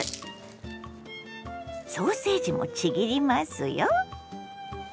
ソーセージもちぎりますよ。